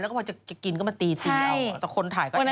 แล้วก็พอจะกินก็มาตีเอาแต่คนถ่ายก็แอบขันใช่